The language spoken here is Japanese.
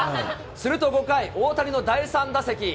すると５回、大谷の第３打席。